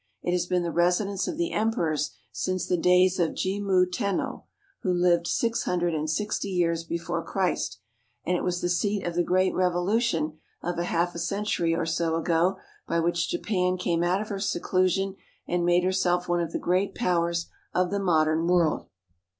It has been the residence of the emperors since the days of Jimmu Tenno, who lived six hundred and sixty years before Christ, and it was the seat of the great revolution of a half century or so ago by which Japan came out of her seclusion and made herself one of the great powers of the modern world.